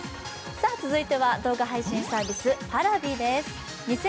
動画配信サービスＰａｒａｖｉです。